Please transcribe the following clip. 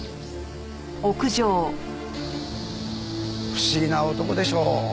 不思議な男でしょう？